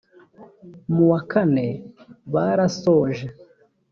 mu wa kane barasoje